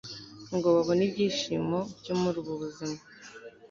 ngo babone ibyishimo byo muri ubu buzima